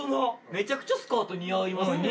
めちゃくちゃスカート似合いますね。